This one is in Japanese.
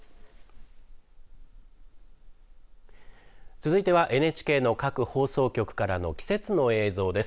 続いてはＮＨＫの各放送局からの季節の映像です。